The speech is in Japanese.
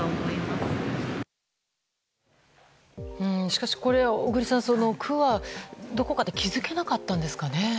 しかし、小栗さん区はどこかで気づけなかったんですかね？